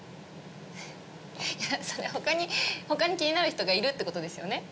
いやそれ他に他に気になる人がいるってことですよね